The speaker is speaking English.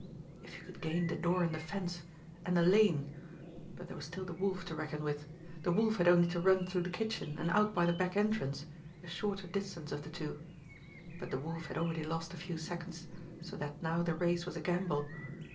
If he could gain the door in the fence and the lane! But there was still the Wolf to reckon with! The Wolf had only to run through the kitchen and out by the back entrance the shorter distance of the two. But the Wolf had already lost a few seconds so that now the race was a gamble.